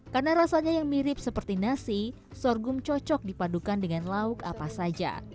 karena rasanya yang mirip seperti nasi sorghum cocok dipadukan dengan lauk apa saja